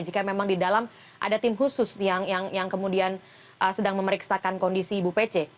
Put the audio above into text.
jika memang di dalam ada tim khusus yang kemudian sedang memeriksakan kondisi ibu pece